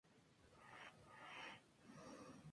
Praga es cuna de varios renombrados escritores.